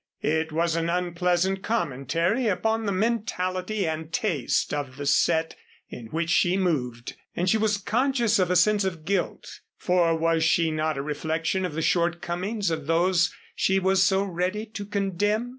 It was an unpleasant commentary upon the mentality and taste of the set in which she moved, and she was conscious of a sense of guilt; for was she not a reflection of the shortcomings of those she was so ready to condemn?